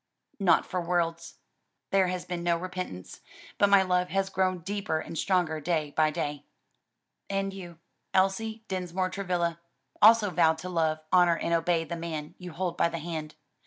"Not for worlds: there has been no repentance, but my love has grown deeper and stronger day by day." "And you, Elsie Dinsmore Travilla, also vowed to love, honor and obey the man you hold by the hand.